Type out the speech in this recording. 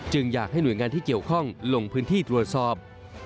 อยากให้หน่วยงานที่เกี่ยวข้องลงพื้นที่ตรวจสอบ